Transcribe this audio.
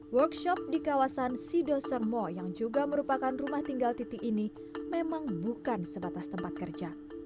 workshop di kawasan sido sermo yang juga merupakan rumah tinggal titi ini memang bukan sebatas tempat kerja